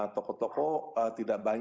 toko toko tidak banyak